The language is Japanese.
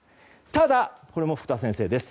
ただ、これも福田先生です。